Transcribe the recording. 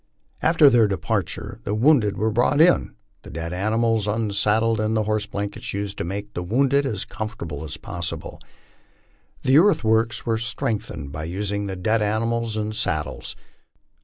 After their departure the wounded were brought in, the dead animals unsaddled, and the horse blankets used to make the wounded as comfortable us possible. The earthworks were strengthened by using the dead animals and saddles.